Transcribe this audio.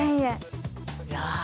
いや。